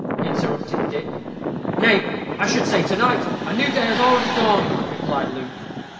interrupted Dick. "Nay, I should say to night. A new day has already dawned," replied Luke.